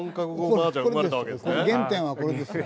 原点はこれですから。